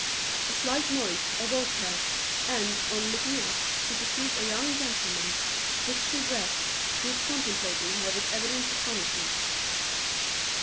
A slight noise awoke her, and, on looking up, she perceived a young gentleman richly dressed, who was contemplating her with evident astonishment.